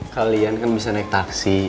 kalian kan bisa naik taksi